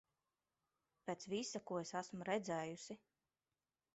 Pēc visa, ko es esmu redzējusi...